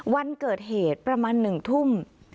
วันเกิดเหตุประมาณ๑ทุ่ม